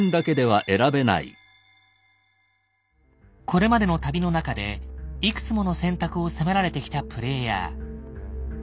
これまでの旅の中でいくつもの選択を迫られてきたプレイヤー。